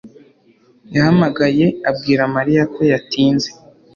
yahamagaye abwira Mariya ko yatinze.